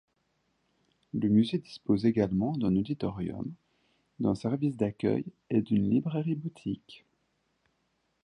Le musée dispose également d'un auditorium, d'un service d'accueil et d'une libraire-boutique.